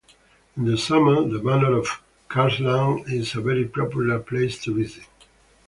In the summer the manor of Karlslund is a very popular place to visit.